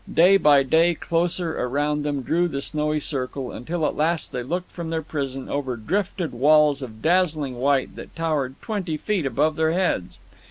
Day by day closer around them drew the snowy circle, until at last they looked from their prison over drifted walls of dazzling white that towered twenty feet above their heads.